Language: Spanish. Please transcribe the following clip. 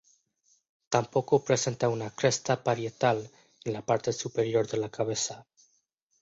Tampoco presenta una cresta parietal en la parte superior de la cabeza.